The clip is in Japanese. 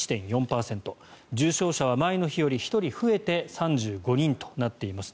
重症者は前の日より１人増えて３５人となっています。